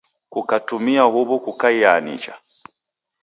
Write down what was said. Kukatumia huw'u kukaiaa nicha.